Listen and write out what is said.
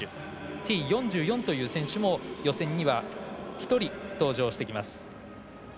Ｔ４４という選手も予選には１人登場してきます。